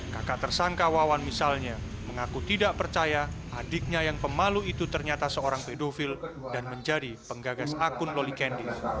kakak tersangka wawan misalnya mengaku tidak percaya adiknya yang pemalu itu ternyata seorang pedofil dan menjadi penggagas akun loli candi